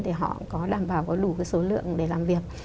để họ có đảm bảo có đủ số lượng để làm việc